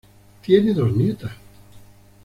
Tiene dos nietas.